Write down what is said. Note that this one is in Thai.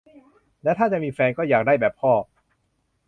และถ้าจะมีแฟน ก็อยากได้แบบพ่อ